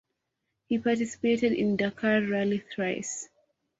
He participated in Dakar Rally thrice.